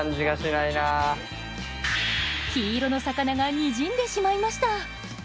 黄色の魚がにじんでしまいました。